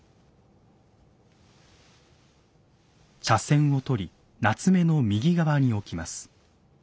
茶筅を取り棗の右側に置きます。